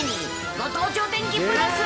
ご当地お天気プラス。